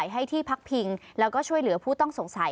ให้ที่พักพิงแล้วก็ช่วยเหลือผู้ต้องสงสัย